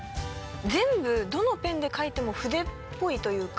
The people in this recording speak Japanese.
全部どのペンで書いても筆っぽいというか。